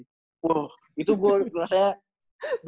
wah itu gue rasanya buset nyesel